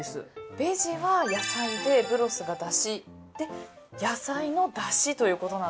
「ベジ」は野菜で「ブロス」がだしで野菜のだしということなんですね。